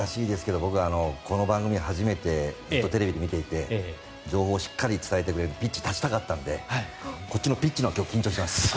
僕、この番組テレビで見ていて情報をしっかり伝えてくれてピッチに立ちたかったんでこっちのピッチのほうが緊張しています。